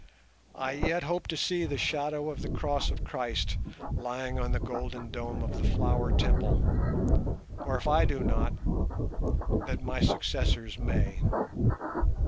I yet hope to see the shadow of the Cross of Christ lying on the golden dome of the Flower Temple; or, if I do not, that my successors may.